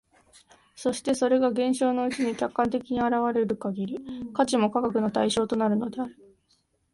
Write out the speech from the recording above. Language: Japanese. そしてそれが現象のうちに客観的に現れる限り、価値も科学の対象となるのである。